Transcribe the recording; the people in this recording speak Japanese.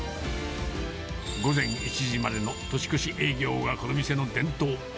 午前１時までの年越し営業がこの店の伝統。